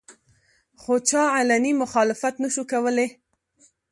خو چا علني مخالفت نشو کولې